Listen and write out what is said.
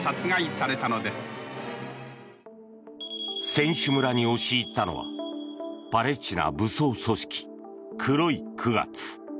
選手村に押し入ったのはパレスチナ武装組織、黒い九月。